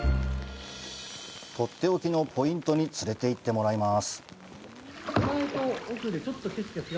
とっておきのポイントに連れていってもらいます。